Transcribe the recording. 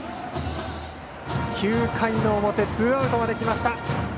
９回の表ツーアウトまできました。